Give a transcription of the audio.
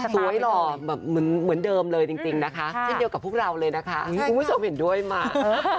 สวยหล่อเหมือนเดิมเลยจริงนะฮะเป็นเดียวกับพวกเราเลยนะฮะคุณผู้ชมเห็นด้วยมาก